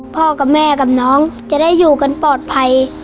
พ่อกับแม่กับน้องจะได้อยู่กันปลอดภัย